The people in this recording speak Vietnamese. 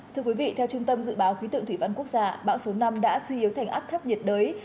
thưa quý vị theo trung tâm dự báo khí tượng thủy văn quốc gia bão số năm đã suy yếu thành áp thấp nhiệt đới